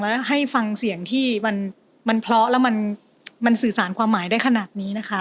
แล้วให้ฟังเสียงที่มันเพราะแล้วมันสื่อสารความหมายได้ขนาดนี้นะคะ